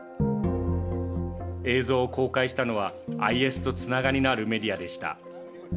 映像を公開したのはＩＳとつながりのあるメディアでした。